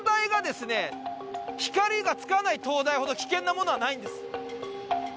光がつかない灯台ほど危険なものはないんです。